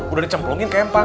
udah dicemplungin kayak empat